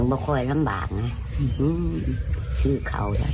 พูดนิดนึง